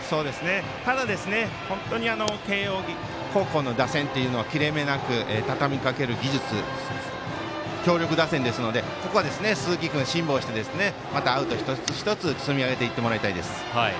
ただ慶応高校の打線というのは切れ目なくたたみかける技術強力打線ですので、ここは鈴木君辛抱して、またアウト一つ一つ積み上げていってもらいたいです。